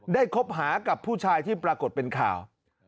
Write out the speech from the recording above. คบหากับผู้ชายที่ปรากฏเป็นข่าว